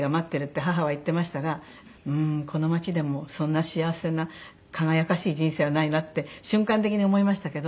母は言ってましたがこの町でもそんな幸せな輝かしい人生はないなって瞬間的に思いましたけど。